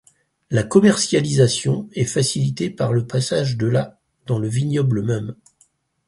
La commercialisation est facilitée par le passage de la dans le vignoble même.